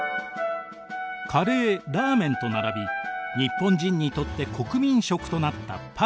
カレーラーメンと並び日本人にとって国民食となったパスタ。